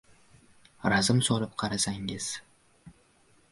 Razm solib qarsangiz.